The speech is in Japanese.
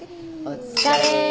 お疲れ。